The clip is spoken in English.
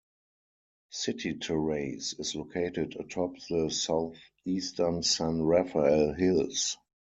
City Terrace is located atop the southeastern San Rafael Hills.